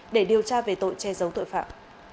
để điều tra về tội che giấu tội phạm